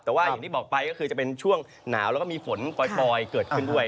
แต่ว่าอย่างที่บอกไปก็คือจะเป็นช่วงหนาวแล้วก็มีฝนปล่อยเกิดขึ้นด้วย